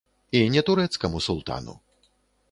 І не турэцкаму султану.